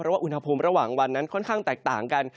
ว่าอุณหภูมิระหว่างวันนั้นค่อนข้างแตกต่างกัน